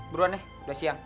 berdua nih udah siang